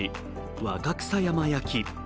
・若草山焼き。